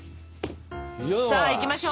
さあいきましょう。